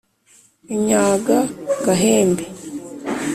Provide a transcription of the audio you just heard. • inyaga gahembe.